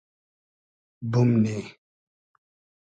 بومنی